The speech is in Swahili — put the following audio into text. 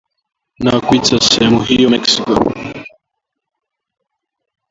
na kuiita sehemu hiyo Mexico,